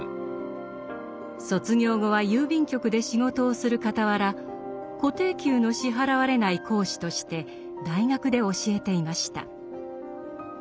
卒業後は郵便局で仕事をするかたわら固定給の支払われない講師として大学で教えていました。